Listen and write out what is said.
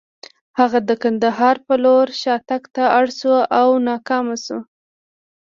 هغه د کندهار په لور شاتګ ته اړ شو او ناکام شو.